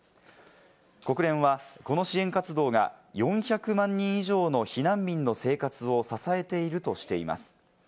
国連はこの支援活動が４００万人以上の避難民の生活を支えているとしています。